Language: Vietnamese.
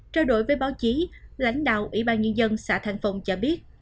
trao đổi với báo chí lãnh đạo ủy ban nhân dân xã thành phong cho biết